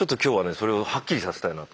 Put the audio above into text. それをはっきりさせたいなと。